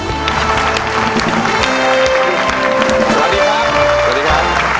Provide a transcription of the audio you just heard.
สวัสดีค่ะ